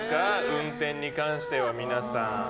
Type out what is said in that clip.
運転に関しては皆さん。